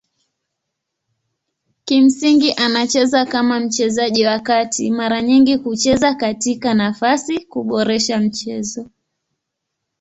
Kimsingi anacheza kama mchezaji wa kati mara nyingi kucheza katika nafasi kuboresha mchezo.